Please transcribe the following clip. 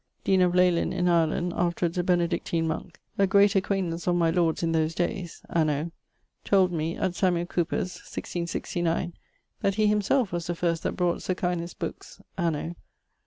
(dean of in Ireland, afterwards a Benedictin monke), a great acquaintance of my lord's in those dayes (anno ...), told me, at Samuel Cowper's (1669), that he himselfe was the first that brought Socinus's bookes (anno